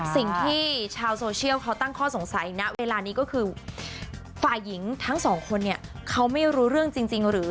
สิ่งที่ชาวโซเชียลเขาตั้งข้อสงสัยณเวลานี้ก็คือฝ่ายหญิงทั้งสองคนเนี่ยเขาไม่รู้เรื่องจริงหรือ